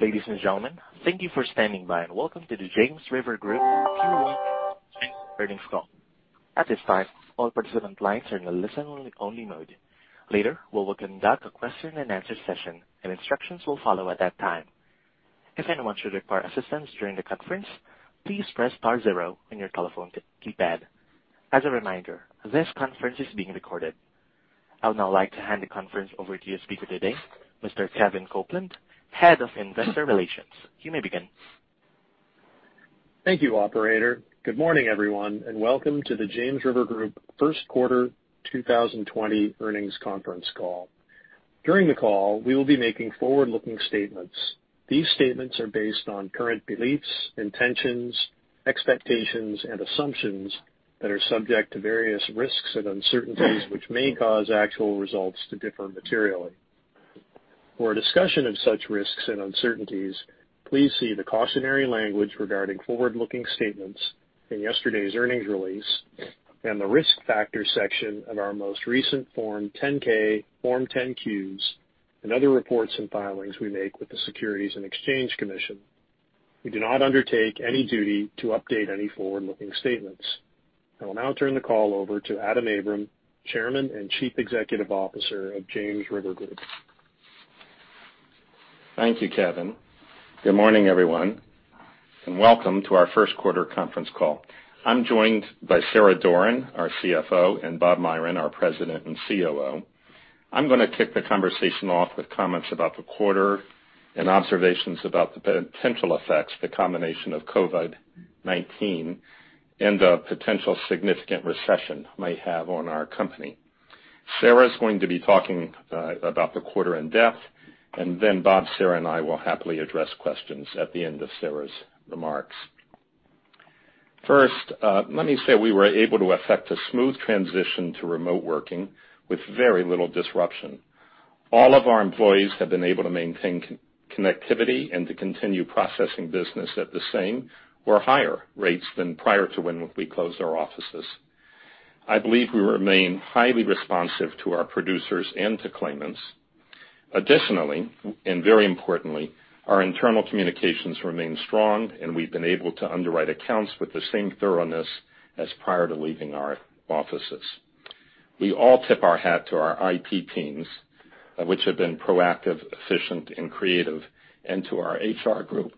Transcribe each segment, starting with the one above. Ladies and gentlemen, thank you for standing by and welcome to the James River Group Q1 earnings call. At this time, all participant lines are in a listen-only mode. Later, we will conduct a question and answer session, and instructions will follow at that time. If anyone should require assistance during the conference, please press star zero on your telephone keypad. As a reminder, this conference is being recorded. I would now like to hand the conference over to your speaker today, Mr. Kevin Copeland, head of investor relations. You may begin. Thank you operator. Good morning, everyone, and welcome to the James River Group first quarter 2020 earnings conference call. During the call, we will be making forward-looking statements. These statements are based on current beliefs, intentions, expectations, and assumptions that are subject to various risks and uncertainties which may cause actual results to differ materially. For a discussion of such risks and uncertainties, please see the cautionary language regarding forward-looking statements in yesterday's earnings release and the risk factors section of our most recent Form 10-K, Form 10-Qs, and other reports and filings we make with the Securities and Exchange Commission. We do not undertake any duty to update any forward-looking statements. I will now turn the call over to Adam Abram, chairman and chief executive officer of James River Group. Thank you, Kevin. Good morning, everyone, and welcome to our first quarter conference call. I'm joined by Sarah Doran, our CFO, and Bob Myron, our President and COO. I'm going to kick the conversation off with comments about the quarter and observations about the potential effects the combination of COVID-19 and the potential significant recession might have on our company. Sarah's going to be talking about the quarter in depth, and then Bob, Sarah, and I will happily address questions at the end of Sarah's remarks. First, let me say we were able to effect a smooth transition to remote working with very little disruption. All of our employees have been able to maintain connectivity and to continue processing business at the same or higher rates than prior to when we closed our offices. I believe we remain highly responsive to our producers and to claimants. Additionally, very importantly, our internal communications remain strong, and we've been able to underwrite accounts with the same thoroughness as prior to leaving our offices. We all tip our hat to our IT teams, which have been proactive, efficient, and creative, and to our HR group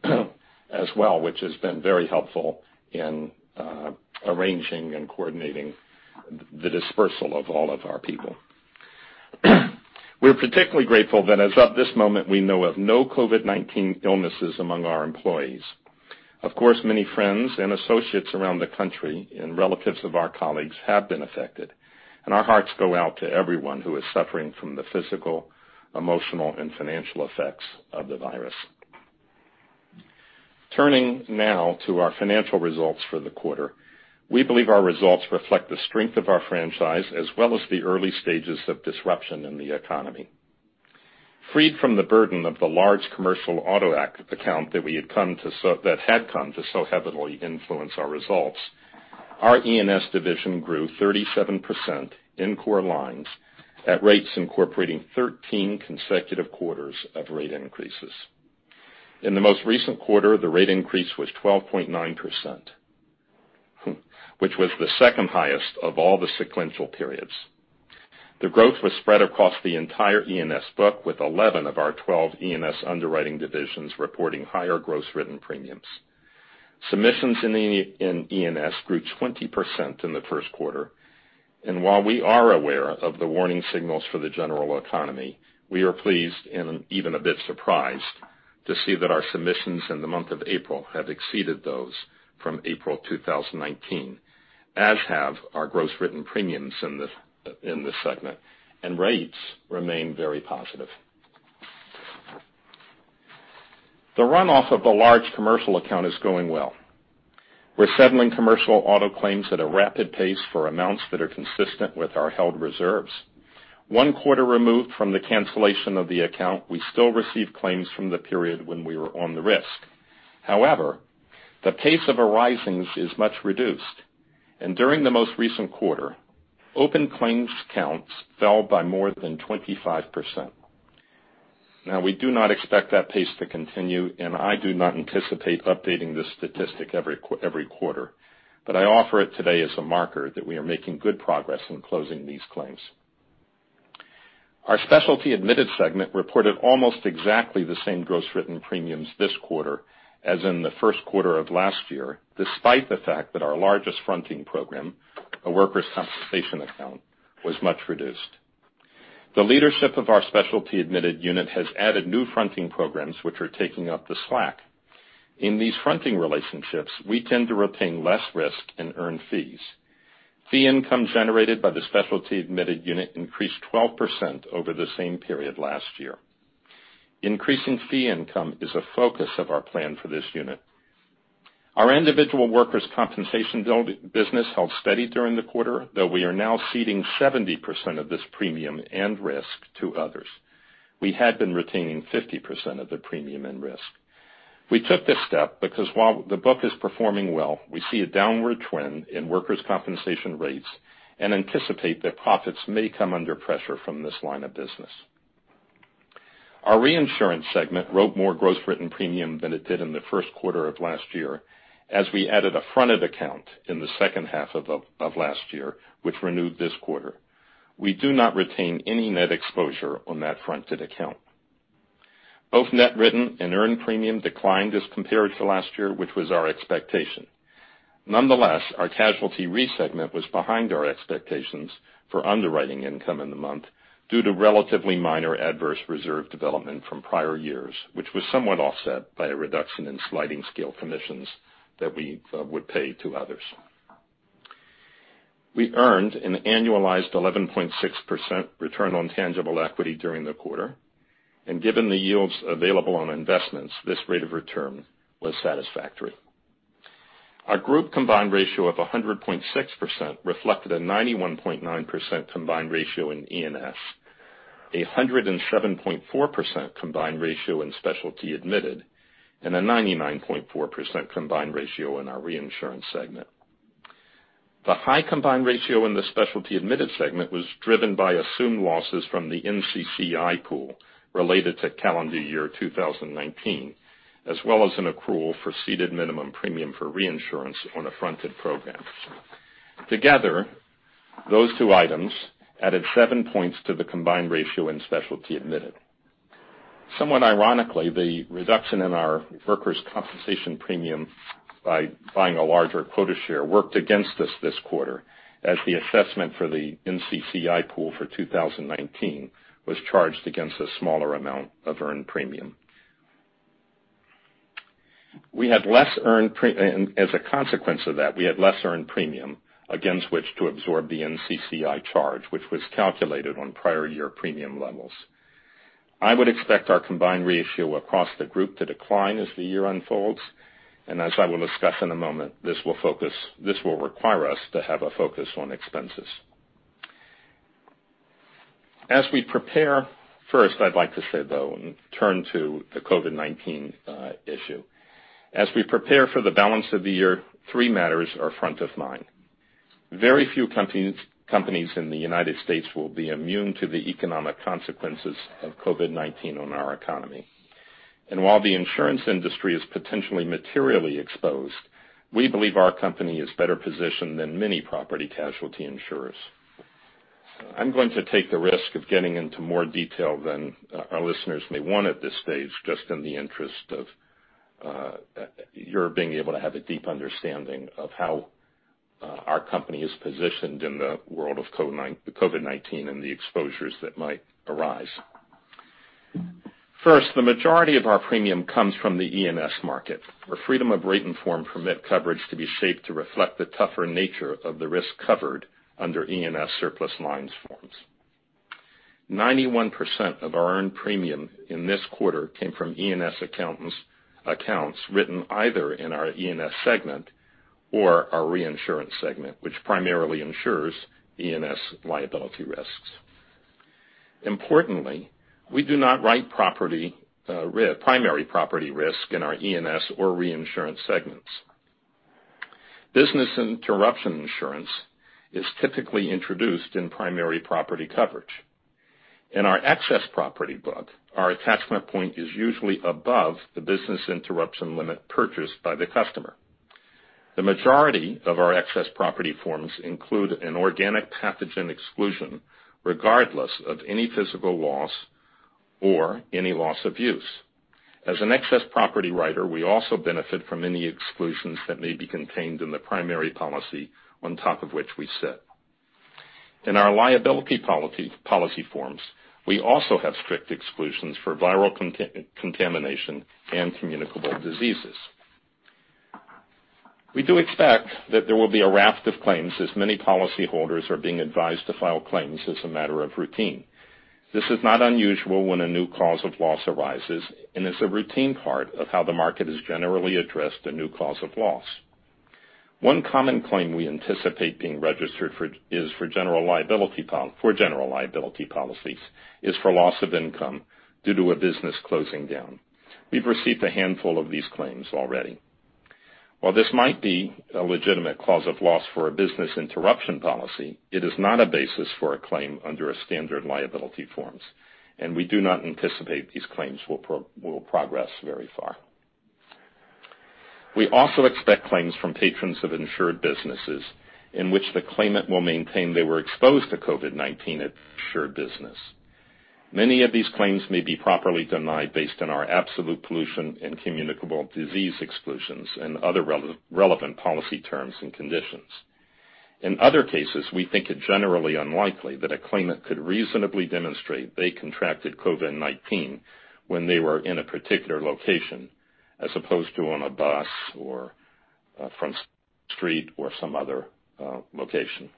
as well, which has been very helpful in arranging and coordinating the dispersal of all of our people. We're particularly grateful that as of this moment, we know of no COVID-19 illnesses among our employees. Of course, many friends and associates around the country and relatives of our colleagues have been affected, and our hearts go out to everyone who is suffering from the physical, emotional, and financial effects of the virus. Turning now to our financial results for the quarter. We believe our results reflect the strength of our franchise as well as the early stages of disruption in the economy. Freed from the burden of the large commercial auto account that had come to so heavily influence our results, our E&S division grew 37% in core lines at rates incorporating 13 consecutive quarters of rate increases. In the most recent quarter, the rate increase was 12.9%, which was the second highest of all the sequential periods. The growth was spread across the entire E&S book, with 11 of our 12 E&S underwriting divisions reporting higher gross written premiums. Submissions in E&S grew 20% in the first quarter, and while we are aware of the warning signals for the general economy, we are pleased and even a bit surprised to see that our submissions in the month of April have exceeded those from April 2019, as have our gross written premiums in this segment, and rates remain very positive. The runoff of the large commercial account is going well. We're settling commercial auto claims at a rapid pace for amounts that are consistent with our held reserves. One quarter removed from the cancellation of the account, we still receive claims from the period when we were on the risk. However, the pace of arisings is much reduced, and during the most recent quarter, open claims counts fell by more than 25%. We do not expect that pace to continue, and I do not anticipate updating this statistic every quarter, but I offer it today as a marker that we are making good progress in closing these claims. Our specialty admitted segment reported almost exactly the same gross written premiums this quarter as in the first quarter of last year, despite the fact that our largest fronting program, a workers' compensation account, was much reduced. The leadership of our specialty admitted unit has added new fronting programs, which are taking up the slack. In these fronting relationships, we tend to retain less risk and earn fees. Fee income generated by the specialty admitted unit increased 12% over the same period last year. Increasing fee income is a focus of our plan for this unit. Our individual workers' compensation business held steady during the quarter, though we are now ceding 70% of this premium and risk to others. We had been retaining 50% of the premium and risk. We took this step because while the book is performing well, we see a downward trend in workers' compensation rates and anticipate that profits may come under pressure from this line of business. Our reinsurance segment wrote more gross written premium than it did in the first quarter of last year, as we added a fronted account in the second half of last year, which renewed this quarter. We do not retain any net exposure on that fronted account. Both net written and earned premium declined as compared to last year, which was our expectation. Nonetheless, our casualty re-segment was behind our expectations for underwriting income in the month due to relatively minor adverse reserve development from prior years, which was somewhat offset by a reduction in sliding scale commissions that we would pay to others. We earned an annualized 11.6% return on tangible equity during the quarter. Given the yields available on investments, this rate of return was satisfactory. Our group combined ratio of 100.6% reflected a 91.9% combined ratio in E&S, 107.4% combined ratio in specialty admitted, and a 99.4% combined ratio in our reinsurance segment. The high combined ratio in the specialty admitted segment was driven by assumed losses from the NCCI pool related to calendar year 2019, as well as an accrual for ceded minimum premium for reinsurance on a fronted program. Together, those two items added seven points to the combined ratio in specialty admitted. Somewhat ironically, the reduction in our workers' compensation premium by buying a larger quota share worked against us this quarter as the assessment for the NCCI pool for 2019 was charged against a smaller amount of earned premium. As a consequence of that, we had less earned premium against which to absorb the NCCI charge, which was calculated on prior year premium levels. I would expect our combined ratio across the group to decline as the year unfolds. As I will discuss in a moment, this will require us to have a focus on expenses. First, I'd like to say, though, in turn to the COVID-19 issue. As we prepare for the balance of the year, three matters are front of mind. Very few companies in the United States will be immune to the economic consequences of COVID-19 on our economy. While the insurance industry is potentially materially exposed, we believe our company is better positioned than many property casualty insurers. I'm going to take the risk of getting into more detail than our listeners may want at this stage, just in the interest of your being able to have a deep understanding of how our company is positioned in the world of COVID-19 and the exposures that might arise. First, the majority of our premium comes from the E&S market, where freedom of written form permit coverage to be shaped to reflect the tougher nature of the risk covered under E&S surplus lines forms. 91% of our earned premium in this quarter came from E&S accounts written either in our E&S segment or our reinsurance segment, which primarily insures E&S liability risks. Importantly, we do not write primary property risk in our E&S or reinsurance segments. Business interruption insurance is typically introduced in primary property coverage. In our excess property book, our attachment point is usually above the business interruption limit purchased by the customer. The majority of our excess property forms include an organic pathogen exclusion, regardless of any physical loss or any loss of use. As an excess property writer, we also benefit from any exclusions that may be contained in the primary policy on top of which we sit. In our liability policy forms, we also have strict exclusions for viral contamination and communicable diseases. We do expect that there will be a raft of claims as many policyholders are being advised to file claims as a matter of routine. This is not unusual when a new cause of loss arises. It's a routine part of how the market has generally addressed a new cause of loss. One common claim we anticipate being registered for general liability policies is for loss of income due to a business closing down. We've received a handful of these claims already. While this might be a legitimate cause of loss for a business interruption policy, it is not a basis for a claim under a standard liability forms. We do not anticipate these claims will progress very far. We also expect claims from patrons of insured businesses in which the claimant will maintain they were exposed to COVID-19 at the insured business. Many of these claims may be properly denied based on our absolute pollution and communicable disease exclusions and other relevant policy terms and conditions. In other cases, we think it generally unlikely that a claimant could reasonably demonstrate they contracted COVID-19 when they were in a particular location, as opposed to on a bus or from the street or some other location.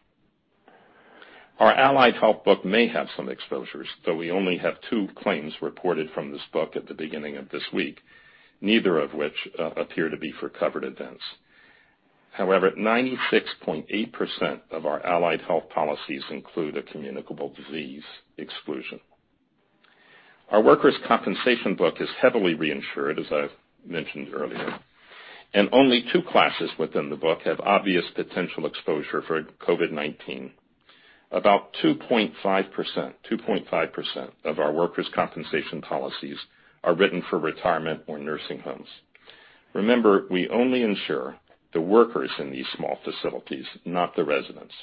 Our Allied Health book may have some exposures, though we only have two claims reported from this book at the beginning of this week, neither of which appear to be for covered events. However, 96.8% of our allied health policies include a communicable disease exclusion. Our workers' compensation book is heavily reinsured, as I mentioned earlier, and only 2 classes within the book have obvious potential exposure for COVID-19. About 2.5% of our workers' compensation policies are written for retirement or nursing homes. Remember, we only insure the workers in these small facilities, not the residents.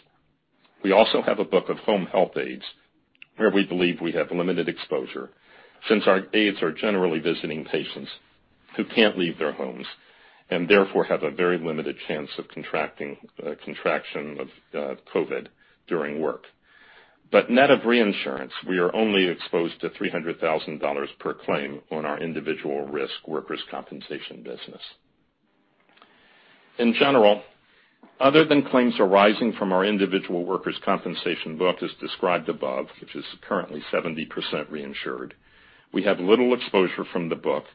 We also have a book of home health aides, where we believe we have limited exposure, since our aides are generally visiting patients who can't leave their homes and therefore have a very limited chance of contraction of COVID during work. Net of reinsurance, we are only exposed to $300,000 per claim on our individual risk workers' compensation business. In general, other than claims arising from our individual workers' compensation book as described above, which is currently 70% reinsured, we have little exposure from the book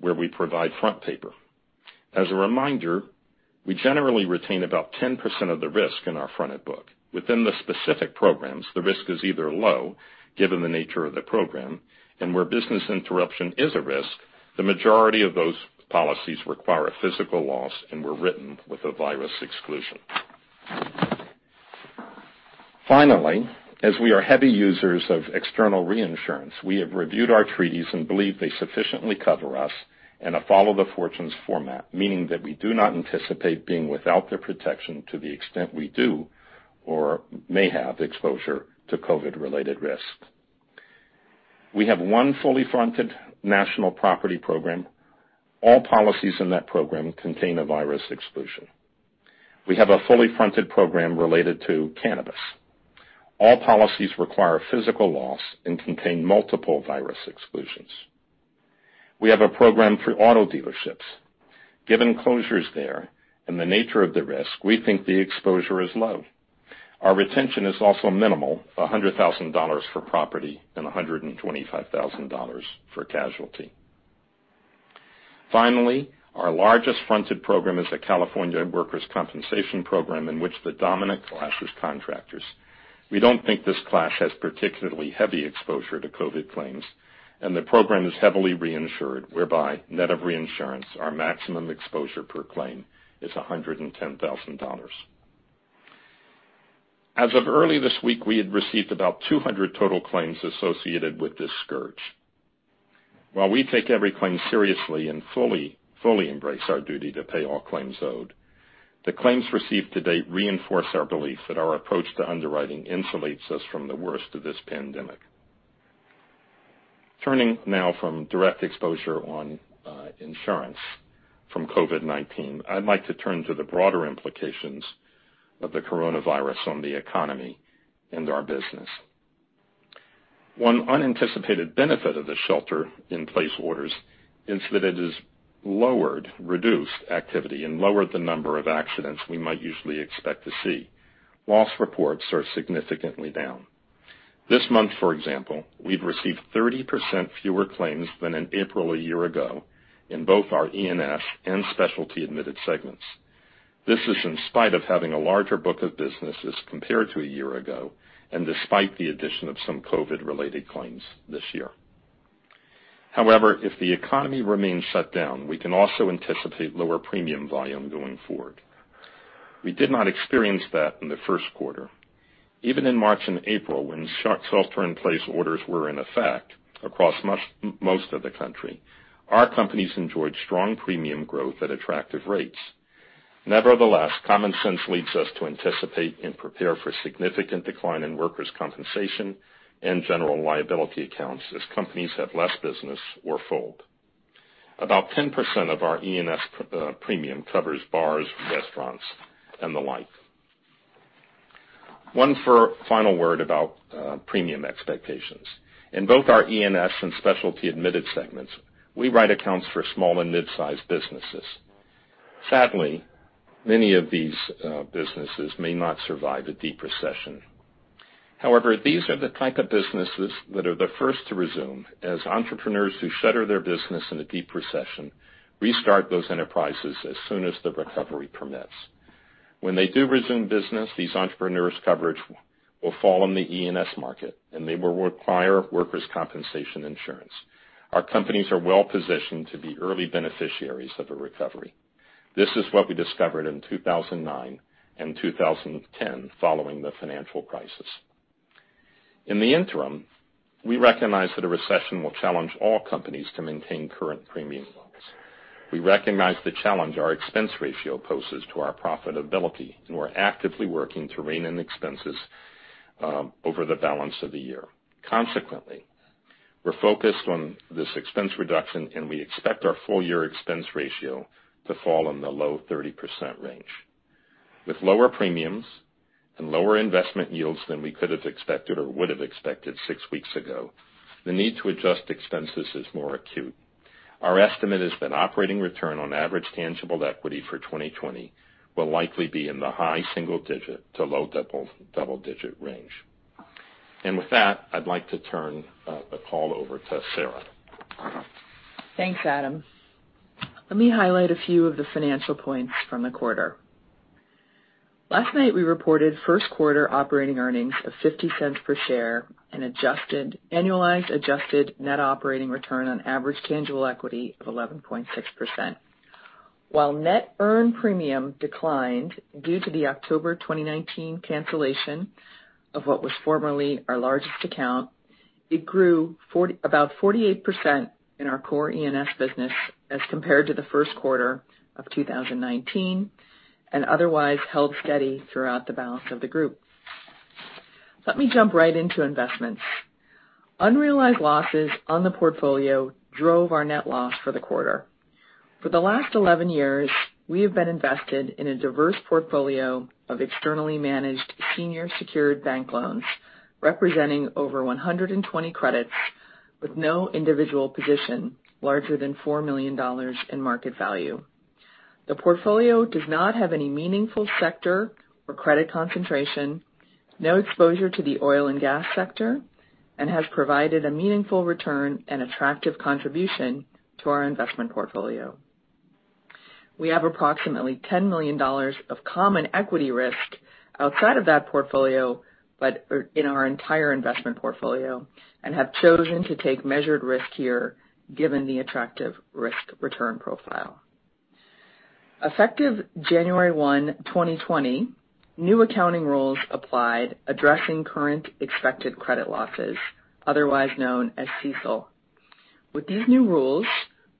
where we provide front paper. As a reminder, we generally retain about 10% of the risk in our fronted book. Within the specific programs, the risk is either low, given the nature of the program, and where business interruption is a risk, the majority of those policies require a physical loss and were written with a virus exclusion. Finally, as we are heavy users of external reinsurance, we have reviewed our treaties and believe they sufficiently cover us in a follow the fortunes format, meaning that we do not anticipate being without their protection to the extent we do or may have exposure to COVID-related risk. We have one fully fronted national property program. All policies in that program contain a virus exclusion. We have a fully fronted program related to cannabis. All policies require a physical loss and contain multiple virus exclusions. We have a program through auto dealerships. Given closures there and the nature of the risk, we think the exposure is low. Our retention is also minimal, $100,000 for property and $125,000 for casualty. Finally, our largest fronted program is a California workers' compensation program in which the dominant class is contractors. We don't think this class has particularly heavy exposure to COVID claims, and the program is heavily reinsured, whereby net of reinsurance, our maximum exposure per claim is $110,000. As of early this week, we had received about 200 total claims associated with this scourge. While we take every claim seriously and fully embrace our duty to pay all claims owed, the claims received to date reinforce our belief that our approach to underwriting insulates us from the worst of this pandemic. Turning now from direct exposure on insurance from COVID-19, I'd like to turn to the broader implications of the coronavirus on the economy and our business. One unanticipated benefit of the shelter-in-place orders is that it has reduced activity and lowered the number of accidents we might usually expect to see. Loss reports are significantly down. This month, for example, we've received 30% fewer claims than in April a year ago in both our E&S and specialty admitted segments. This is in spite of having a larger book of businesses compared to a year ago, and despite the addition of some COVID-related claims this year. If the economy remains shut down, we can also anticipate lower premium volume going forward. We did not experience that in the first quarter. Even in March and April, when shelter-in-place orders were in effect across most of the country, our companies enjoyed strong premium growth at attractive rates. Common sense leads us to anticipate and prepare for significant decline in workers' compensation and general liability accounts as companies have less business or fold. About 10% of our E&S premium covers bars, restaurants, and the like. One final word about premium expectations. In both our E&S and specialty admitted segments, we write accounts for small and mid-sized businesses. Sadly, many of these businesses may not survive a deep recession. These are the type of businesses that are the first to resume as entrepreneurs who shutter their business in a deep recession restart those enterprises as soon as the recovery permits. When they do resume business, these entrepreneurs' coverage will fall in the E&S market, and they will require workers' compensation insurance. Our companies are well-positioned to be early beneficiaries of a recovery. This is what we discovered in 2009 and 2010 following the financial crisis. In the interim, we recognize that a recession will challenge all companies to maintain current premium levels. We recognize the challenge our expense ratio poses to our profitability, and we're actively working to rein in expenses over the balance of the year. Consequently, we're focused on this expense reduction, and we expect our full-year expense ratio to fall in the low 30% range. With lower premiums and lower investment yields than we could have expected or would have expected six weeks ago, the need to adjust expenses is more acute. Our estimate is that operating return on average tangible equity for 2020 will likely be in the high single digit to low double digit range. With that, I'd like to turn the call over to Sarah. Thanks, Adam. Let me highlight a few of the financial points from the quarter. Last night, we reported first quarter operating earnings of $0.50 per share, an annualized adjusted net operating return on average tangible equity of 11.6%. While net earned premium declined due to the October 2019 cancellation of what was formerly our largest account, it grew about 48% in our core E&S business as compared to the first quarter of 2019, and otherwise held steady throughout the balance of the group. Let me jump right into investments. Unrealized losses on the portfolio drove our net loss for the quarter. For the last 11 years, we have been invested in a diverse portfolio of externally managed senior secured bank loans, representing over 120 credits, with no individual position larger than $4 million in market value. The portfolio does not have any meaningful sector or credit concentration, no exposure to the oil and gas sector, and has provided a meaningful return and attractive contribution to our investment portfolio. We have approximately $10 million of common equity risk outside of that portfolio, but in our entire investment portfolio, and have chosen to take measured risk here, given the attractive risk-return profile. Effective January 1, 2020, new accounting rules applied addressing current expected credit losses, otherwise known as CECL. With these new rules,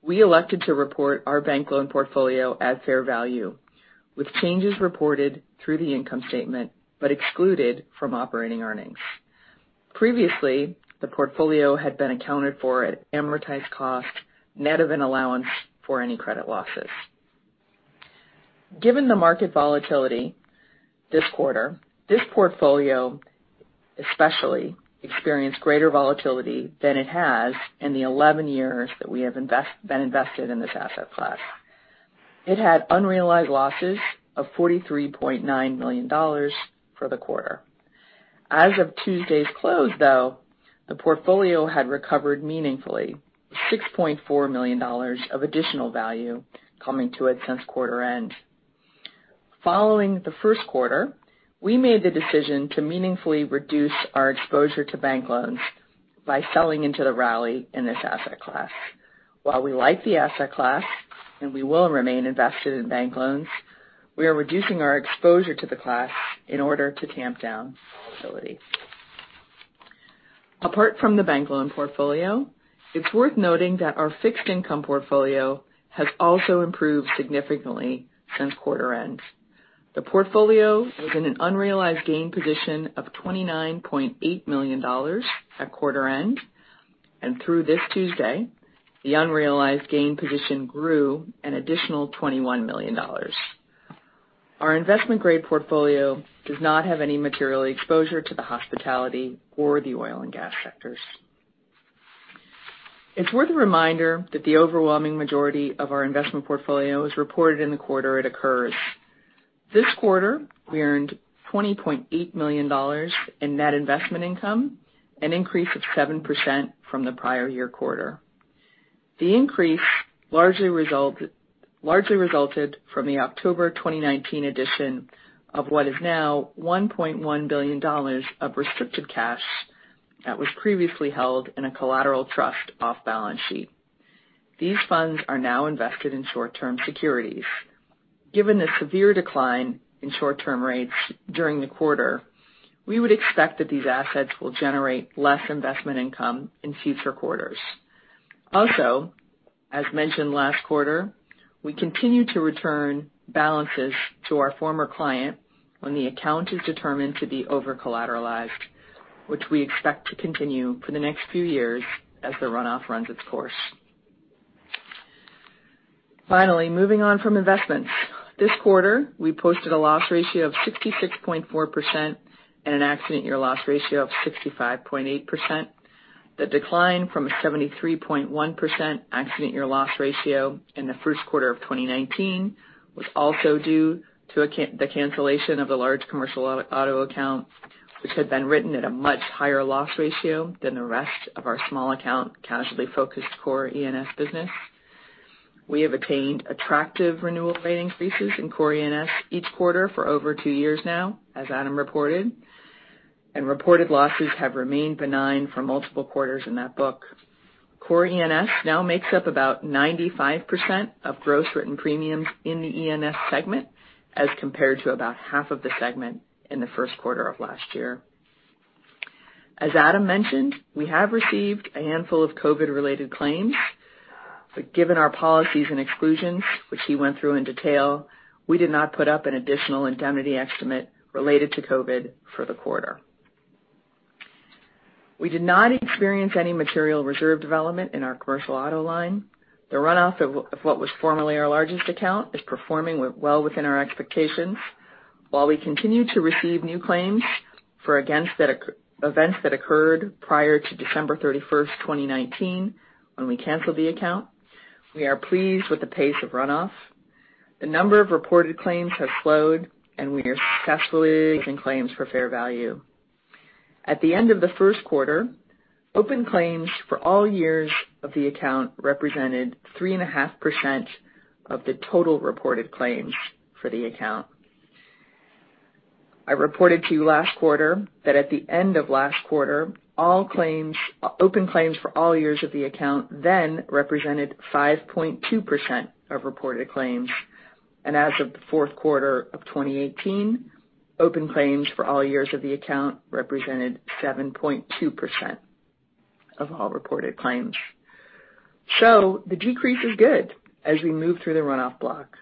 we elected to report our bank loan portfolio at fair value, with changes reported through the income statement, but excluded from operating earnings. Previously, the portfolio had been accounted for at amortized cost, net of an allowance for any credit losses. Given the market volatility this quarter, this portfolio especially experienced greater volatility than it has in the 11 years that we have been invested in this asset class. It had unrealized losses of $43.9 million for the quarter. As of Tuesday's close, though, the portfolio had recovered meaningfully, with $6.4 million of additional value coming to it since quarter end. Following the first quarter, we made the decision to meaningfully reduce our exposure to bank loans by selling into the rally in this asset class. While we like the asset class, and we will remain invested in bank loans, we are reducing our exposure to the class in order to tamp down volatility. Apart from the bank loan portfolio, it's worth noting that our fixed income portfolio has also improved significantly since quarter end. The portfolio was in an unrealized gain position of $29.8 million at quarter end. Through this Tuesday, the unrealized gain position grew an additional $21 million. Our investment-grade portfolio does not have any material exposure to the hospitality or the oil and gas sectors. It's worth a reminder that the overwhelming majority of our investment portfolio is reported in the quarter it occurs. This quarter, we earned $20.8 million in net investment income, an increase of 7% from the prior year quarter. The increase largely resulted from the October 2019 addition of what is now $1.1 billion of restricted cash that was previously held in a collateral trust off balance sheet. These funds are now invested in short-term securities. Given the severe decline in short-term rates during the quarter, we would expect that these assets will generate less investment income in future quarters. As mentioned last quarter, we continue to return balances to our former client when the account is determined to be over-collateralized, which we expect to continue for the next few years as the runoff runs its course. Moving on from investments. This quarter, we posted a loss ratio of 66.4% and an accident year loss ratio of 65.8%. The decline from a 73.1% accident year loss ratio in the first quarter of 2019 was also due to the cancellation of the large commercial auto account, which had been written at a much higher loss ratio than the rest of our small account casualty focused core E&S business. We have attained attractive renewal rate increases in core E&S each quarter for over two years now, as Adam reported, and reported losses have remained benign for multiple quarters in that book. Core E&S now makes up about 95% of gross written premiums in the E&S segment as compared to about half of the segment in the first quarter of last year. As Adam mentioned, we have received a handful of COVID-related claims, but given our policies and exclusions, which he went through in detail, we did not put up an additional indemnity estimate related to COVID for the quarter. We did not experience any material reserve development in our commercial auto line. The runoff of what was formerly our largest account is performing well within our expectations. While we continue to receive new claims for events that occurred prior to December 31st, 2019 when we canceled the account, we are pleased with the pace of runoff. The number of reported claims has slowed, and we are successfully raising claims for fair value. At the end of the first quarter, open claims for all years of the account represented 3.5% of the total reported claims for the account. I reported to you last quarter that at the end of last quarter, open claims for all years of the account then represented 5.2% of reported claims. As of the fourth quarter of 2018, open claims for all years of the account represented 7.2% of all reported claims. The decrease is good as we move through the runoff block.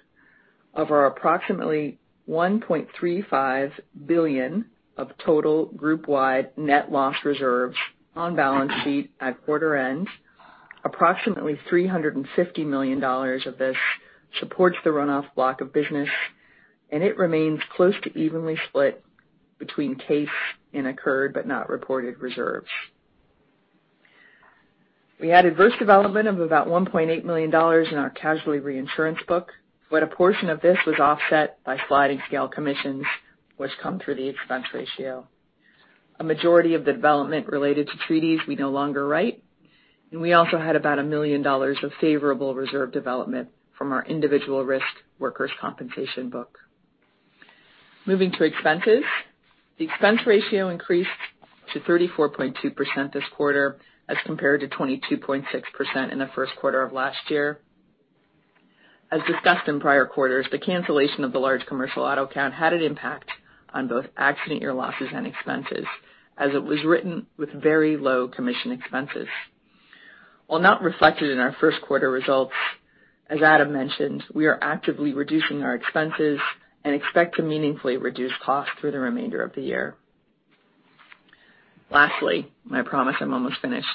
Of our approximately $1.35 billion of total group-wide net loss reserves on balance sheet at quarter end, approximately $350 million of this supports the runoff block of business, and it remains close to evenly split between case and occurred but not reported reserves. We had adverse development of about $1.8 million in our casualty reinsurance book, a portion of this was offset by sliding scale commissions, which come through the expense ratio. A majority of the development related to treaties we no longer write, and we also had about $1 million of favorable reserve development from our individual risk workers' compensation book. Moving to expenses. The expense ratio increased to 34.2% this quarter as compared to 22.6% in the first quarter of last year. As discussed in prior quarters, the cancellation of the large commercial auto account had an impact on both accident year losses and expenses, as it was written with very low commission expenses. While not reflected in our first quarter results, as Adam mentioned, we are actively reducing our expenses and expect to meaningfully reduce costs through the remainder of the year. Lastly, I promise I'm almost finished.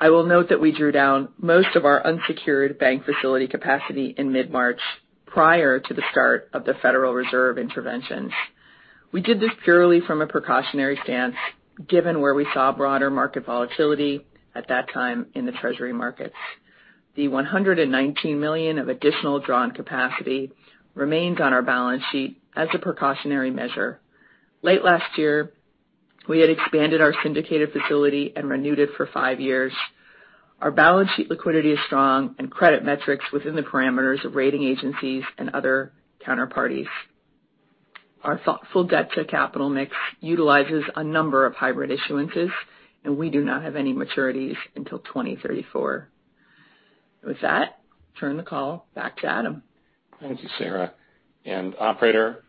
I will note that we drew down most of our unsecured bank facility capacity in mid-March, prior to the start of the Federal Reserve interventions. We did this purely from a precautionary stance, given where we saw broader market volatility at that time in the treasury markets. The $119 million of additional drawn capacity remains on our balance sheet as a precautionary measure. Late last year, we had expanded our syndicated facility and renewed it for five years. Our balance sheet liquidity is strong and credit metrics within the parameters of rating agencies and other counterparties. Our thoughtful debt to capital mix utilizes a number of hybrid issuances, and we do not have any maturities until 2034. With that, turn the call back to Adam. Thank you, Sarah. Operator,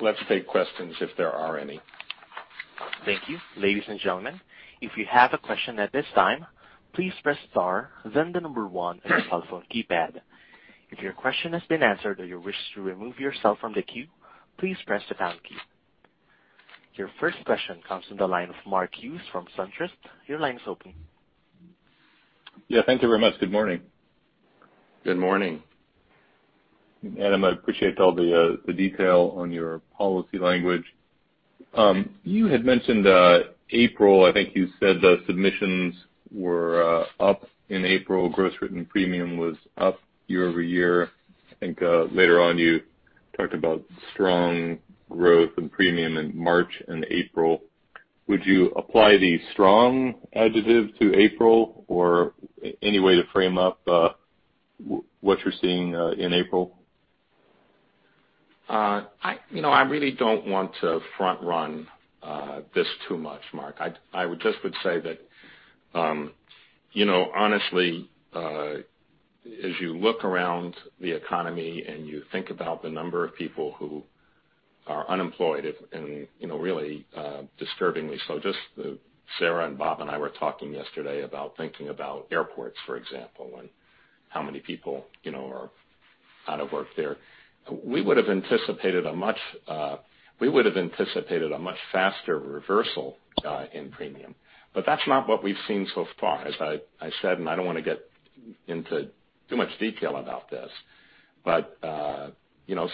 let's take questions if there are any. Thank you. Ladies and gentlemen, if you have a question at this time, please press star then the number 1 on your telephone keypad. If your question has been answered or you wish to remove yourself from the queue, please press the pound key. Your first question comes from the line of Mark Hughes from SunTrust. Your line is open. Yeah. Thank you very much. Good morning. Good morning. Adam, I appreciate all the detail on your policy language. You had mentioned April, I think you said the submissions were up in April, gross written premium was up year-over-year. I think later on you talked about strong growth and premium in March and April. Would you apply the strong adjective to April, or any way to frame up what you're seeing in April? I really don't want to front-run this too much, Mark. I just would say that honestly, as you look around the economy and you think about the number of people who are unemployed, and really disturbingly so. Sarah and Bob and I were talking yesterday about thinking about airports, for example, and how many people are out of work there. We would've anticipated a much faster reversal in premium. That's not what we've seen so far. As I said, and I don't want to get into too much detail about this, but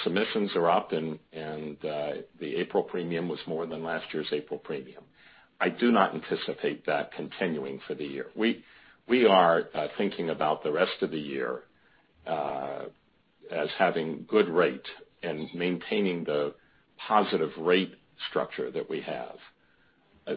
submissions are up and the April premium was more than last year's April premium. I do not anticipate that continuing for the year. We are thinking about the rest of the year as having good rate and maintaining the positive rate structure that we have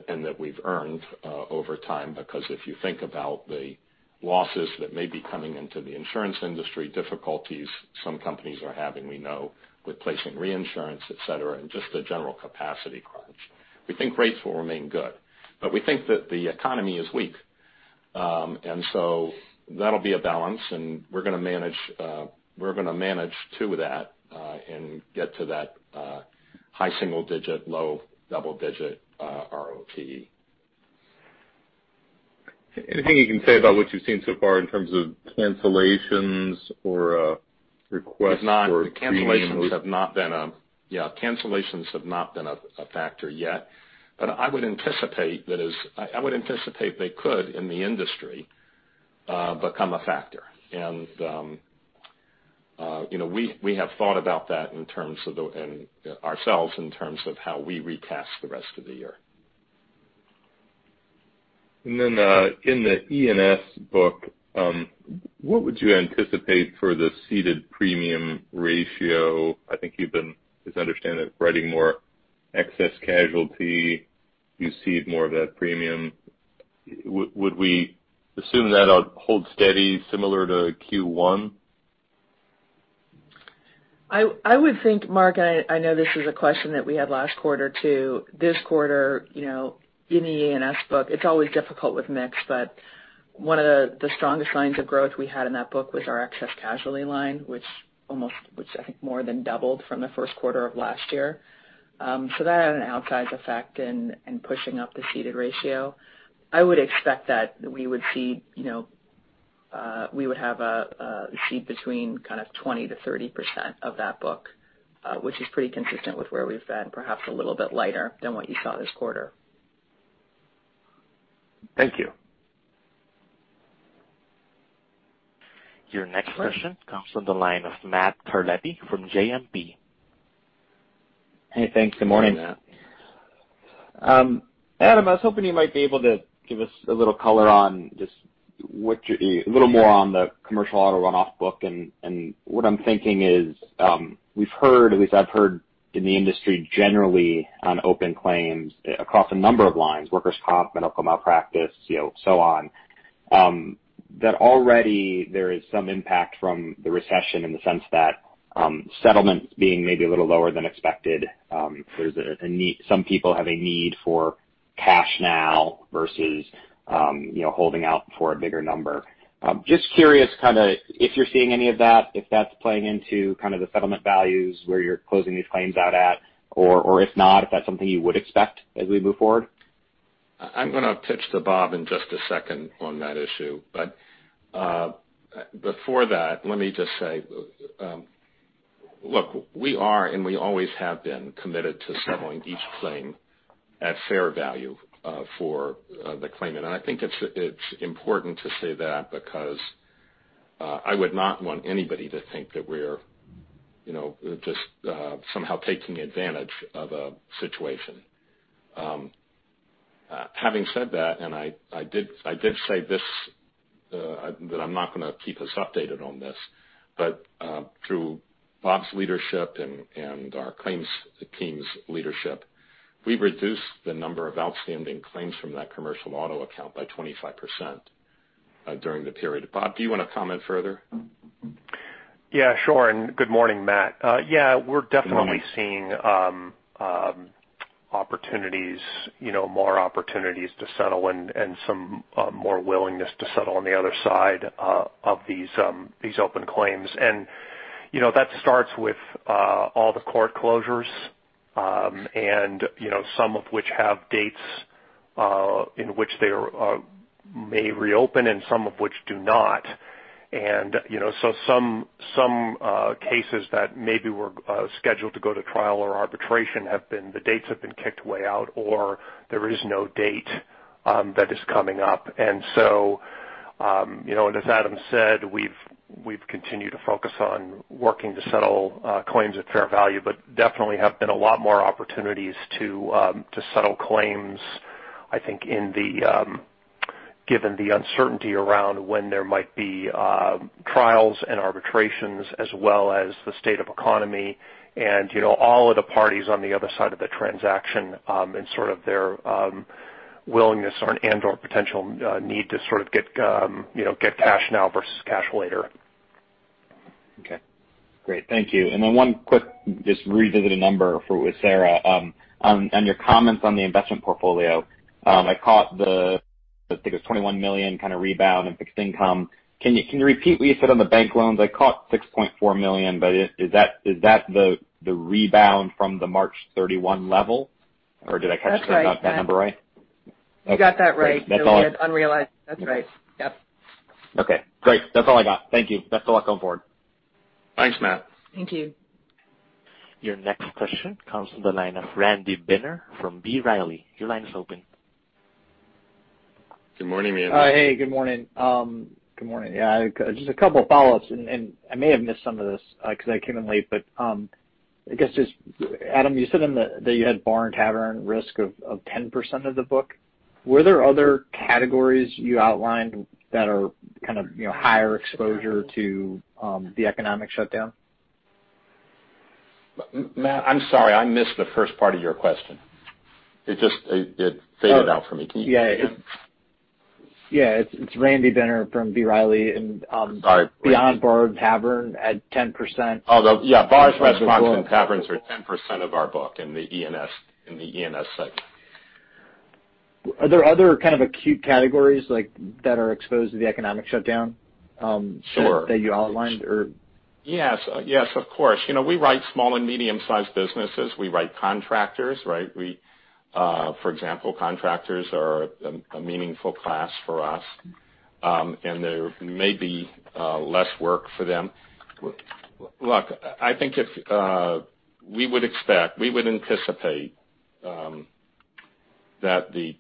and that we've earned over time. Because if you think about the losses that may be coming into the insurance industry, difficulties some companies are having, we know with placing reinsurance, et cetera, and just the general capacity crunch. We think rates will remain good. We think that the economy is weak. That'll be a balance, and we're going to manage to that, and get to that high single digit, low double digit ROTE. Anything you can say about what you've seen so far in terms of cancellations or requests for premium? No. Yeah, cancellations have not been a factor yet. I would anticipate they could in the industry become a factor. We have thought about that ourselves in terms of how we recast the rest of the year. Then, in the E&S book, what would you anticipate for the ceded premium ratio? I think you've been, just understand that writing more excess casualty, you cede more of that premium. Would we assume that will hold steady similar to Q1? I would think, Mark, I know this is a question that we had last quarter too. This quarter, in the E&S book, it's always difficult with mix, but one of the strongest lines of growth we had in that book was our excess casualty line, which I think more than doubled from the first quarter of last year. That had an outsized effect in pushing up the ceded ratio. I would expect that we would cede between kind of 20%-30% of that book, which is pretty consistent with where we've been, perhaps a little bit lighter than what you saw this quarter. Thank you. Your next question comes from the line of Matt Terlep from JMP. Hey, thanks. Good morning. Good morning, Matt. Adam, I was hoping you might be able to give us a little color on just a little more on the commercial auto runoff book. What I'm thinking is, we've heard, at least I've heard in the industry generally on open claims across a number of lines, workers' comp, medical malpractice, so on, that already there is some impact from the recession in the sense that settlements being maybe a little lower than expected. Some people have a need for cash now versus holding out for a bigger number. Just curious if you're seeing any of that, if that's playing into the settlement values where you're closing these claims out at, or if not, if that's something you would expect as we move forward. I'm going to pitch to Bob in just a second on that issue. Before that, let me just say, look, we are and we always have been committed to settling each claim at fair value for the claimant. I think it's important to say that because I would not want anybody to think that we're just somehow taking advantage of a situation. Having said that, I did say this that I'm not going to keep us updated on this. Through Bob's leadership and our claims team's leadership, we've reduced the number of outstanding claims from that commercial auto account by 25% during the period. Bob, do you want to comment further? Yeah, sure. Good morning, Matt. Yeah, we're definitely seeing more opportunities to settle and some more willingness to settle on the other side of these open claims. That starts with all the court closures, and some of which have dates in which they may reopen and some of which do not. Some cases that maybe were scheduled to go to trial or arbitration, the dates have been kicked way out or there is no date that is coming up. As Adam said, we've continued to focus on working to settle claims at fair value, but definitely have been a lot more opportunities to settle claims, I think, given the uncertainty around when there might be trials and arbitrations as well as the state of economy and all of the parties on the other side of the transaction, and sort of their willingness and/or potential need to get cash now versus cash later. Okay. Great. Thank you. One quick, just revisit a number with Sarah on your comments on the investment portfolio. I caught the, I think it was $21 million kind of rebound in fixed income. Can you repeat what you said on the bank loans? I caught $6.4 million, but is that the rebound from the March 31 level? Did I catch- That's right, Matt. that number right? You got that right. Okay. Great. That was unrealized. That's right. Yep. Okay, great. That's all I got. Thank you. Best of luck going forward. Thanks, Matt. Thank you. Your next question comes from the line of Randy Benner from B. Riley. Your line is open. Good morning. Hey, good morning. Yeah, just a couple of follow-ups, and I may have missed some of this because I came in late. I guess just, Adam, you said that you had bar and tavern risk of 10% of the book. Were there other categories you outlined that are kind of higher exposure to the economic shutdown? Matt, I'm sorry, I missed the first part of your question. It just faded out for me. Can you repeat it? Yeah. It's Randy Benner from B. Riley. Sorry beyond bar and tavern at 10%. Yeah. Bars, restaurants, and taverns are 10% of our book in the E&S segment. Are there other kind of acute categories that are exposed to the economic shutdown? Sure that you outlined or? Yes, of course. We write small and medium-sized businesses. We write contractors, right? For example, contractors are a meaningful class for us. There may be less work for them. Look, I think we would anticipate that the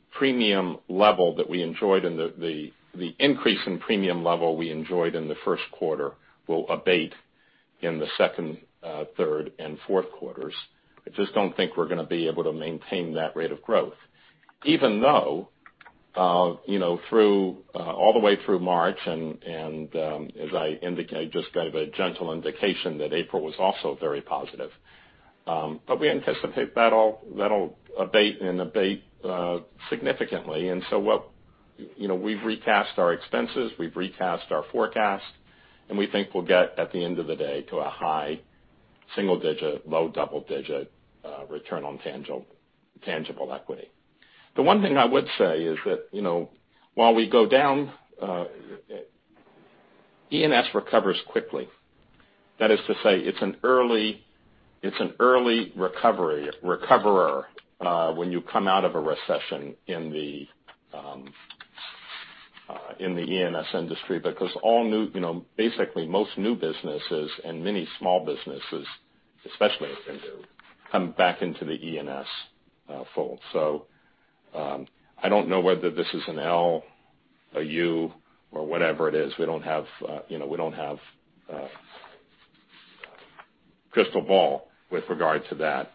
increase in premium level we enjoyed in the first quarter will abate in the second, third, and fourth quarters. I just don't think we're going to be able to maintain that rate of growth. Even though, all the way through March, and as I indicated, just gave a gentle indication that April was also very positive. We anticipate that'll abate and abate significantly. We've recast our expenses, we've recast our forecast, and we think we'll get, at the end of the day, to a high single digit, low double digit, return on tangible equity. The one thing I would say is that, while we go down, E&S recovers quickly. That is to say, it's an early recoverer, when you come out of a recession in the E&S industry. Because basically, most new businesses and many small businesses, especially if they're new, come back into the E&S fold. I don't know whether this is an L, a U, or whatever it is. We don't have a crystal ball with regard to that.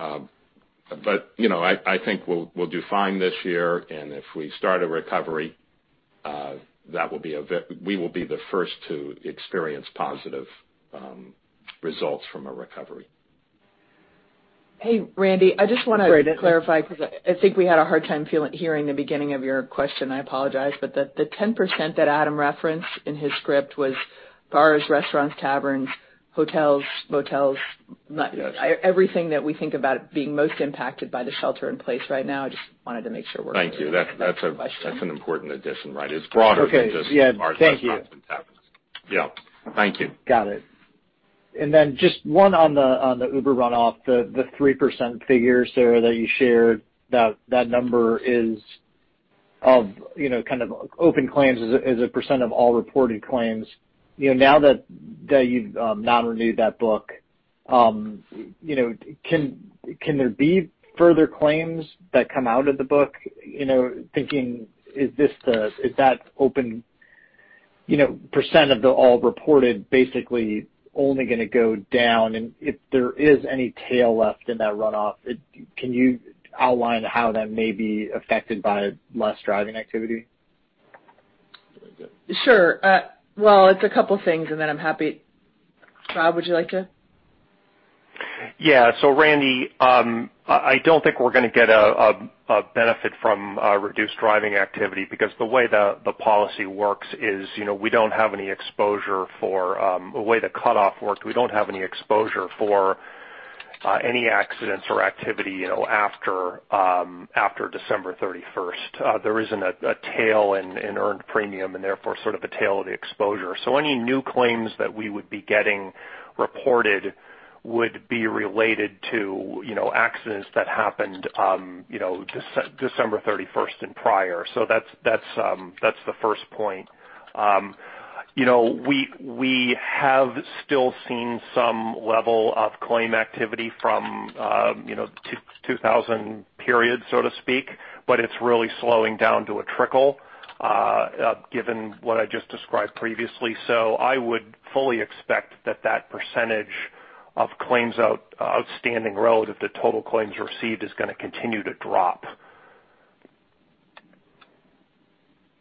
I think we'll do fine this year, and if we start a recovery, we will be the first to experience positive results from a recovery. Hey, Randy, I just want to clarify, because I think we had a hard time hearing the beginning of your question. I apologize. The 10% that Adam referenced in his script was bars, restaurants, taverns, hotels, motels. Yes. Everything that we think about being most impacted by the shelter in place right now. I just wanted to make sure we're clear. Thank you. That's an important addition, right? It's broader than just. Okay. Yeah. Thank you. bars, restaurants, and taverns. Yeah. Thank you. Got it. Just one on the Uber runoff, the 3% figure, Sarah, that you shared, that number is of kind of open claims as a % of all reported claims. Now that you've non-renewed that book, can there be further claims that come out of the book? Is that open % of the all reported basically only going to go down, and if there is any tail left in that runoff, can you outline how that may be affected by less driving activity? Sure. Well, it's a couple things, and then I'm happy Rob, would you like to? Yeah. Randy, I don't think we're going to get a benefit from reduced driving activity because the way the policy works is, the way the cutoff worked, we don't have any exposure for any accidents or activity after December 31st. There isn't a tail in earned premium, and therefore sort of a tail of exposure. Any new claims that we would be getting reported would be related to accidents that happened December 31st and prior. That's the first point. We have still seen some level of claim activity from 2000 period, so to speak, but it's really slowing down to a trickle, given what I just described previously. I would fully expect that that % of claims outstanding out of the total claims received is going to continue to drop.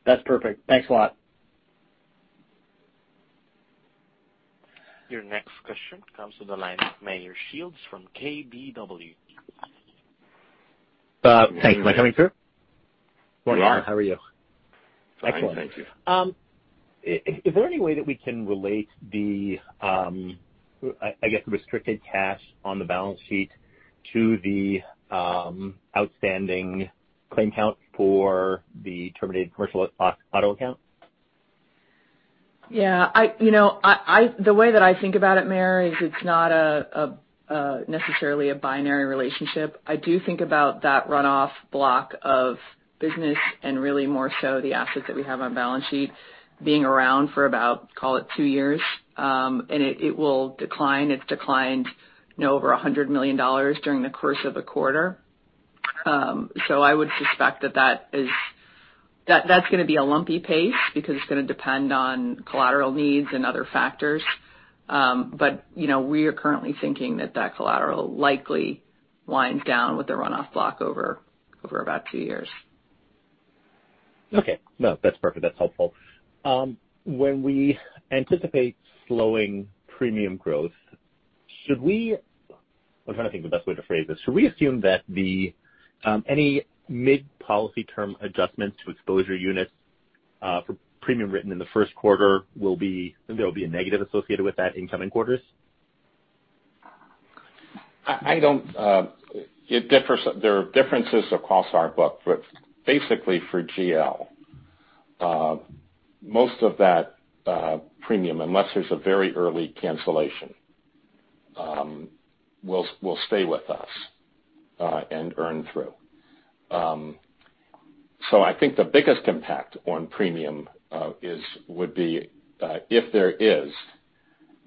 That's perfect. Thanks a lot. Your next question comes to the line of Meyer Shields from KBW. Thanks. Am I coming through? We are. How are you? Fine, thank you. Excellent. Is there any way that we can relate the, I guess, restricted cash on the balance sheet to the outstanding claim count for the terminated commercial auto account? Yeah. The way that I think about it, Meyer, is it's not necessarily a binary relationship. I do think about that runoff block of business and really more so the assets that we have on balance sheet being around for about, call it two years. It will decline. It's declined over $100 million during the course of the quarter. I would suspect that's going to be a lumpy pace because it's going to depend on collateral needs and other factors. We are currently thinking that that collateral likely winds down with the runoff block over about two years. Okay. No, that's perfect. That's helpful. When we anticipate slowing premium growth, I'm trying to think of the best way to phrase this. Should we assume that any mid-policy term adjustments to exposure units, for premium written in the first quarter, there'll be a negative associated with that in coming quarters? There are differences across our book. Basically, for GL, most of that premium, unless there's a very early cancellation, will stay with us, and earn through. I think the biggest impact on premium would be if there is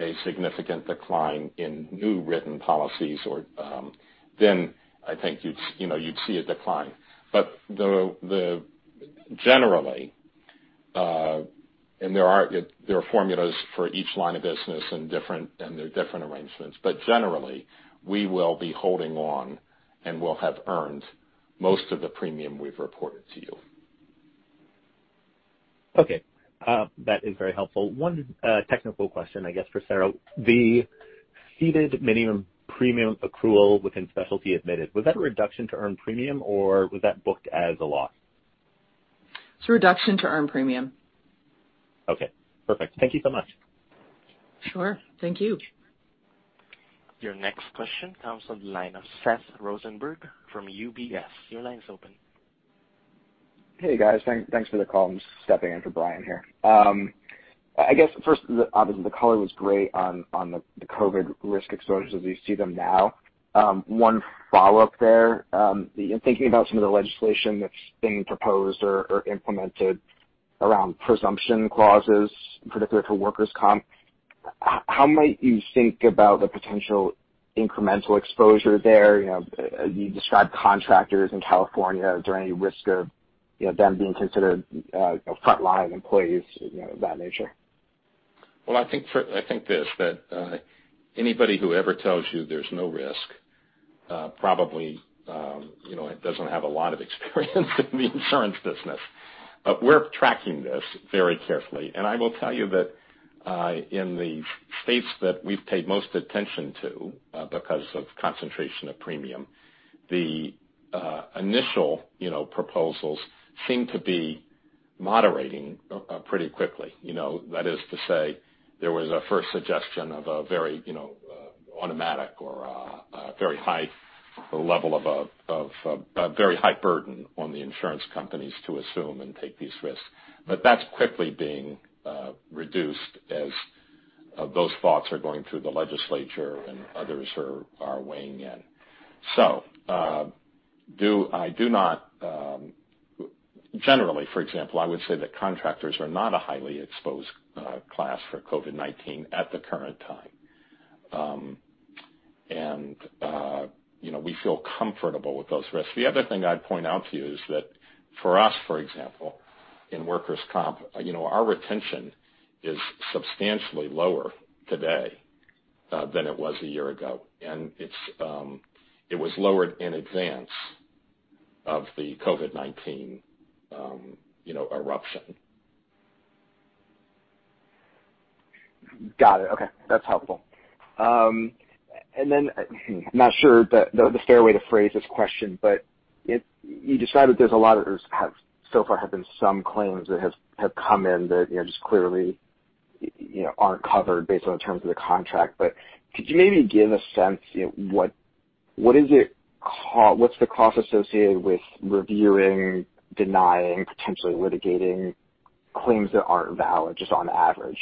a significant decline in new written policies, then I think you'd see a decline. Generally, and there are formulas for each line of business and there are different arrangements, but generally, we will be holding on and will have earned most of the premium we've reported to you. Okay. That is very helpful. One technical question, I guess, for Sarah. The ceded minimum premium accrual within specialty admitted, was that a reduction to earn premium, or was that booked as a loss? It's a reduction to earn premium. Okay, perfect. Thank you so much. Sure. Thank you. Your next question comes on the line of Seth Rosenberg from UBS. Your line is open. Hey, guys. Thanks for the call. I'm just stepping in for Brian here. I guess first, obviously the color was great on the COVID-19 risk exposures as you see them now. One follow-up there. In thinking about some of the legislation that's being proposed or implemented around presumption clauses, particularly for workers' comp, how might you think about the potential incremental exposure there? You described contractors in California. Is there any risk of them being considered frontline employees of that nature? Well, I think this, that anybody who ever tells you there's no risk probably doesn't have a lot of experience in the insurance business. We're tracking this very carefully. I will tell you that in the states that we've paid most attention to because of concentration of premium, the initial proposals seem to be moderating pretty quickly. That is to say, there was a first suggestion of a very automatic or a very high level of a very high burden on the insurance companies to assume and take these risks. That's quickly being reduced as those thoughts are going through the legislature and others are weighing in. Generally, for example, I would say that contractors are not a highly exposed class for COVID-19 at the current time. We feel comfortable with those risks. The other thing I'd point out to you is that for us, for example, in workers' comp, our retention is substantially lower today than it was a year ago, and it was lowered in advance of the COVID-19 eruption. Got it. Okay. That's helpful. Not sure the fair way to phrase this question, but you described that there's a lot of, or so far have been some claims that have come in that just clearly aren't covered based on the terms of the contract, but could you maybe give a sense, what's the cost associated with reviewing, denying, potentially litigating claims that aren't valid, just on average?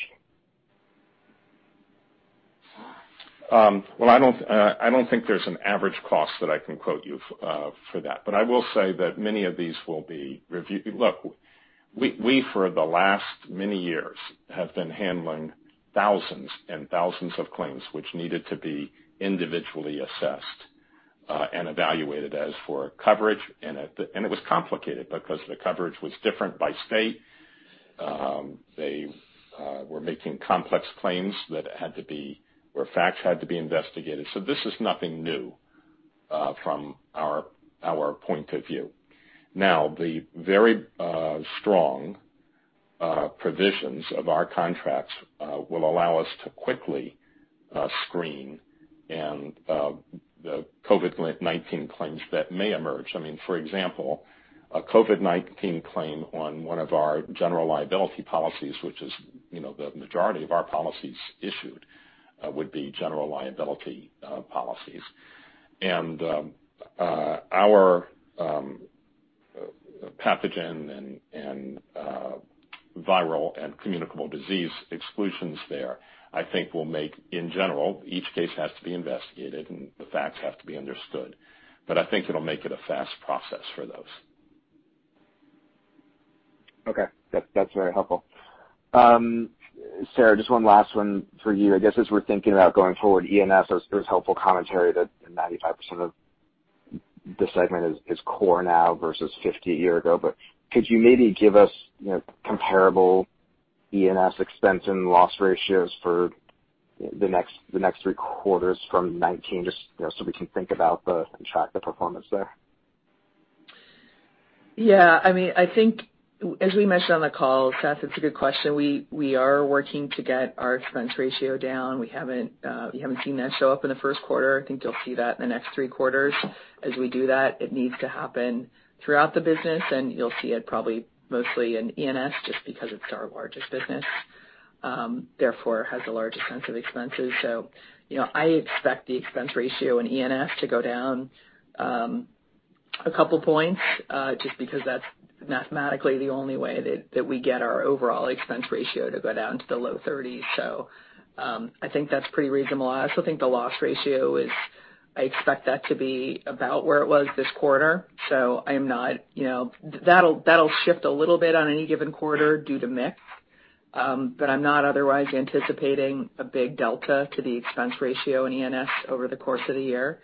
Well, I don't think there's an average cost that I can quote you for that. I will say that many of these will be reviewed. Look, we, for the last many years, have been handling thousands and thousands of claims which needed to be individually assessed and evaluated as for coverage, and it was complicated because the coverage was different by state. They were making complex claims where facts had to be investigated. This is nothing new from our point of view. Now, the very strong provisions of our contracts will allow us to quickly screen the COVID-19 claims that may emerge. I mean, for example, a COVID-19 claim on one of our general liability policies, which is the majority of our policies issued would be general liability policies. Our pathogen and viral and communicable disease exclusions there, I think will make, in general, each case has to be investigated, and the facts have to be understood. I think it'll make it a fast process for those. Okay. That's very helpful. Sarah, just one last one for you. I guess, as we're thinking about going forward, E&S, it was helpful commentary that 95% of the segment is core now versus 50% a year ago. Could you maybe give us comparable E&S expense and loss ratios for the next three quarters from 2019 just so we can think about and track the performance there? Yeah. I think as we mentioned on the call, Seth, it's a good question. We are working to get our expense ratio down. We haven't seen that show up in the first quarter. I think you'll see that in the next three quarters. As we do that, it needs to happen throughout the business, and you'll see it probably mostly in E&S just because it's our largest business. Therefore, has the largest sense of expenses. I expect the expense ratio in E&S to go down a couple points just because that's mathematically the only way that we get our overall expense ratio to go down to the low 30%. I think that's pretty reasonable. I also think the loss ratio is, I expect that to be about where it was this quarter. That'll shift a little bit on any given quarter due to mix. I'm not otherwise anticipating a big delta to the expense ratio in E&S over the course of the year.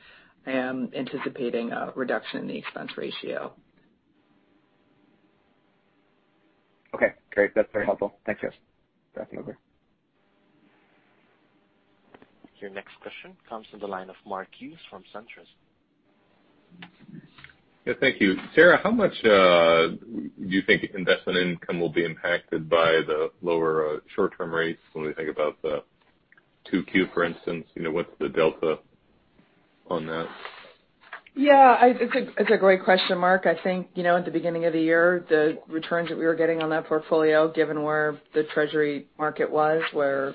I am anticipating a reduction in the expense ratio. Okay, great. That's very helpful. Thanks, guys. Your next question comes from the line of Mark Hughes from SunTrust. Yeah, thank you. Sarah, how much do you think investment income will be impacted by the lower short-term rates when we think about the two Q, for instance? What's the delta on that? Yeah. It's a great question, Mark. I think, at the beginning of the year, the returns that we were getting on that portfolio, given where the treasury market was, were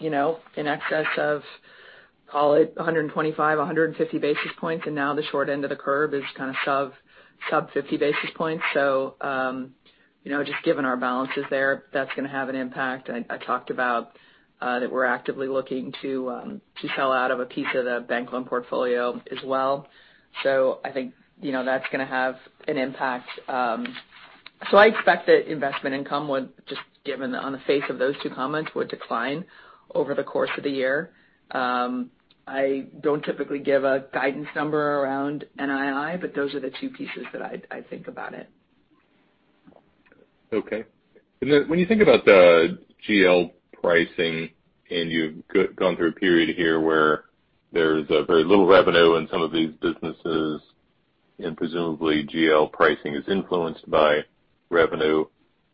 in excess of, call it 125, 150 basis points, and now the short end of the curve is sub 50 basis points. Just given our balances there, that's going to have an impact. I talked about that we're actively looking to sell out of a piece of the bank loan portfolio as well. I think that's going to have an impact. I expect that investment income would, just given on the face of those two comments, would decline over the course of the year. I don't typically give a guidance number around NII, but those are the two pieces that I think about it. Okay. When you think about the GL pricing, and you've gone through a period here where there's very little revenue in some of these businesses, and presumably GL pricing is influenced by revenue,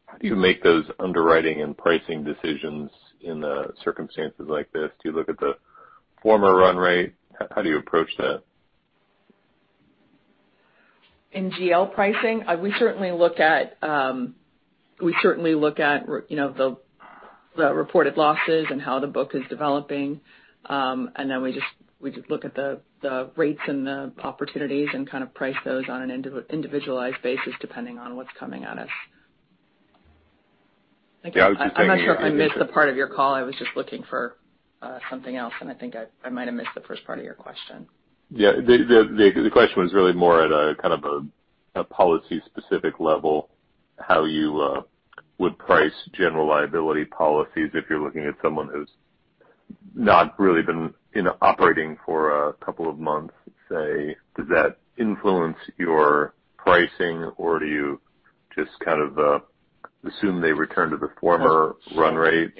how do you make those underwriting and pricing decisions in circumstances like this? Do you look at the former run rate? How do you approach that? In GL pricing? We certainly look at the reported losses and how the book is developing. We just look at the rates and the opportunities and price those on an individualized basis depending on what's coming at us. Yeah, I was just saying. I'm not sure if I missed the part of your call. I was just looking for something else, and I think I might have missed the first part of your question. Yeah. The question was really more at a policy specific level, how you would price general liability policies if you're looking at someone who's not really been operating for a couple of months, say, does that influence your pricing or do you just assume they return to the former run rate?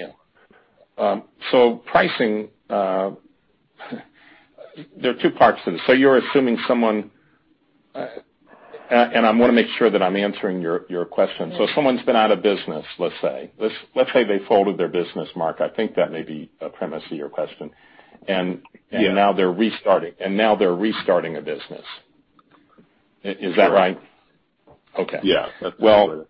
Pricing, there are two parts to this. You're assuming someone. And I want to make sure that I'm answering your question. Someone's been out of business, let's say. Let's say they folded their business, Mark. I think that may be a premise to your question. Now they're restarting a business. Is that right? Sure. Okay. Yeah. That's accurate.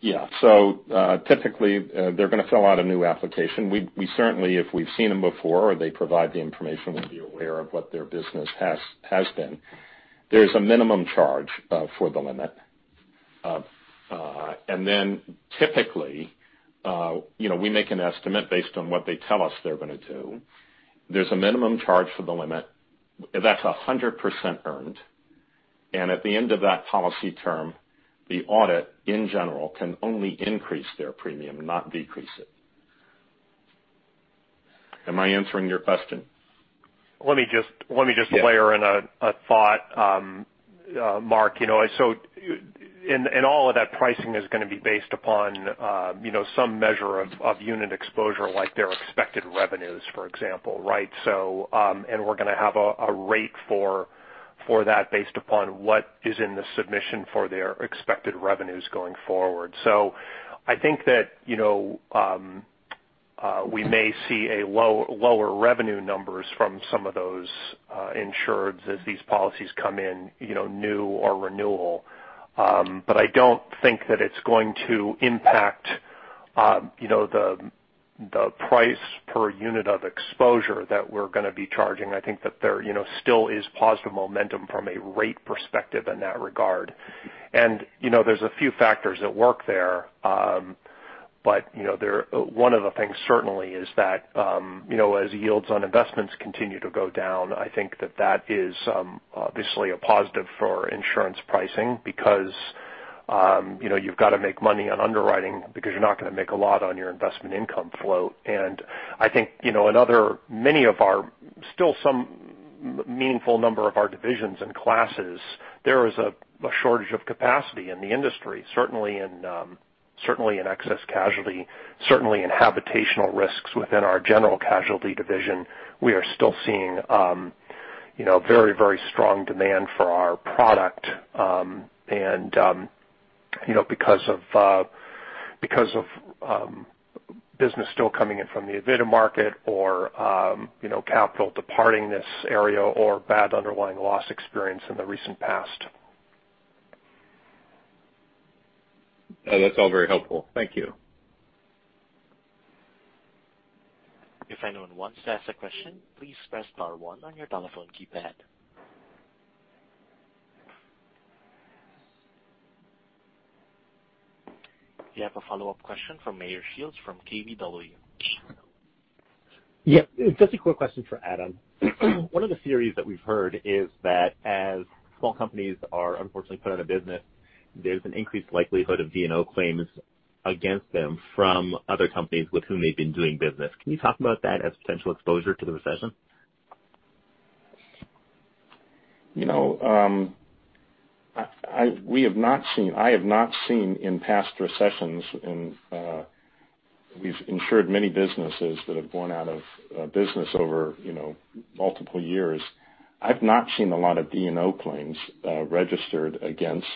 Yeah. Typically, they're going to fill out a new application. We certainly, if we've seen them before or they provide the information, we'll be aware of what their business has been. There's a minimum charge for the limit. Typically, we make an estimate based on what they tell us they're going to do. There's a minimum charge for the limit. That's 100% earned. At the end of that policy term, the audit, in general, can only increase their premium, not decrease it. Am I answering your question? Let me just layer in a thought, Mark. All of that pricing is going to be based upon some measure of unit exposure, like their expected revenues, for example, right? We're going to have a rate for that based upon what is in the submission for their expected revenues going forward. I think that we may see lower revenue numbers from some of those insureds as these policies come in new or renewal. I don't think that it's going to impact the price per unit of exposure that we're going to be charging. I think that there still is positive momentum from a rate perspective in that regard. There's a few factors at work there. One of the things certainly is that as yields on investments continue to go down, I think that that is obviously a positive for insurance pricing because you've got to make money on underwriting because you're not going to make a lot on your investment income flow. I think still some meaningful number of our divisions and classes, there is a shortage of capacity in the industry, certainly in excess casualty, certainly in habitational risks within our general casualty division. We are still seeing very strong demand for our product because of business still coming in from the admitted market or capital departing this area or bad underlying loss experience in the recent past. That's all very helpful. Thank you. If anyone wants to ask a question, please press star one on your telephone keypad. Do you have a follow-up question for Meyer Shields from KBW? Just a quick question for Adam. One of the theories that we've heard is that as small companies are unfortunately put out of business, there's an increased likelihood of E&O claims against them from other companies with whom they've been doing business. Can you talk about that as potential exposure to the recession? I have not seen in past recessions, we've insured many businesses that have gone out of business over multiple years. I've not seen a lot of E&O claims registered against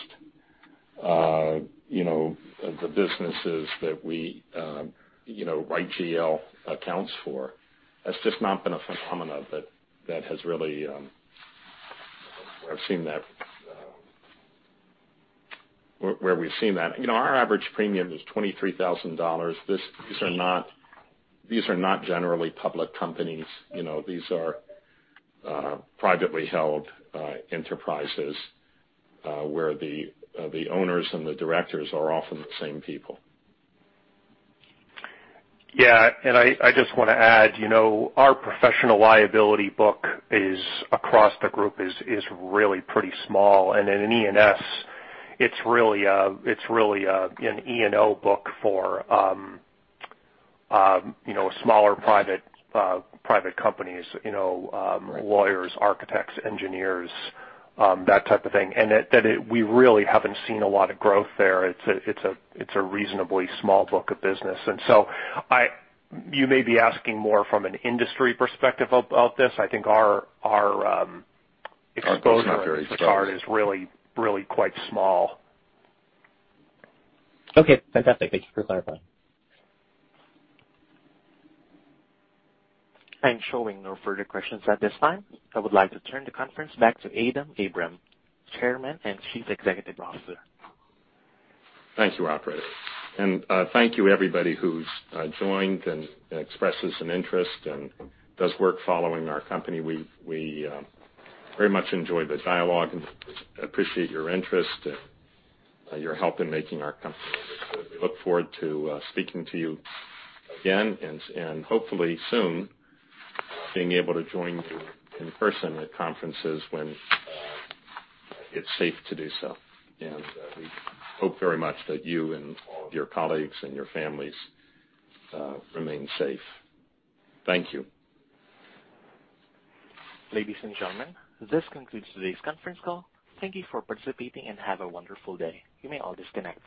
the businesses that write GL accounts for. That's just not been a phenomenon where we've seen that. Our average premium is $23,000. These are not generally public companies. These are privately held enterprises, where the owners and the directors are often the same people. Yeah. I just want to add, our professional liability book across the group is really pretty small. In E&S, it's really an E&O book for smaller private companies, lawyers, architects, engineers, that type of thing. That we really haven't seen a lot of growth there. It's a reasonably small book of business. So you may be asking more from an industry perspective about this. I think our exposure- Ours is not very exposed is really quite small. Okay. Fantastic. Thank you for clarifying. I'm showing no further questions at this time. I would like to turn the conference back to Adam Abram, Chairman and Chief Executive Officer. Thank you, operator. Thank you everybody who's joined and expresses an interest and does work following our company. We very much enjoy the dialogue and appreciate your interest and your help in making our company a success. We look forward to speaking to you again and hopefully soon being able to join you in person at conferences when it's safe to do so. We hope very much that you and all of your colleagues and your families remain safe. Thank you. Ladies and gentlemen, this concludes today's conference call. Thank you for participating and have a wonderful day. You may all disconnect.